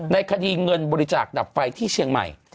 ในคดีเงินบริจาคดับไฟที่เชียงใหม่